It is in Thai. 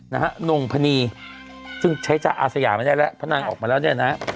นะฮะนงพนีซึ่งใช้จ๊ะอาสยาไม่ได้แล้วเพราะนางออกมาแล้วเนี่ยนะ